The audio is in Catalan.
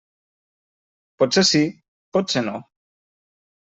Potser sí, potser no.